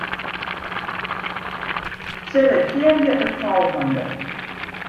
Selektearje it folgjende.